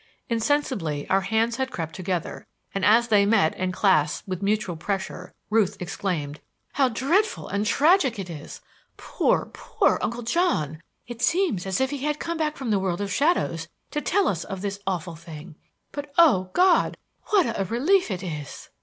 Insensibly our hands had crept together, and as they met and clasped with mutual pressure, Ruth exclaimed: "How dreadful and tragic it is! Poor, poor Uncle John! It seems as if he had come back from the world of shadows to tell us of this awful thing. But, O God! what a relief it is!"